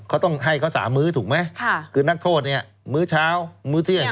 เขาต้องให้เขาสามมื้อถูกไหมคือนักโทษเนี่ยมื้อเช้ามื้อเที่ยง